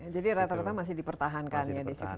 jadi rata rata masih dipertahankan ya di situ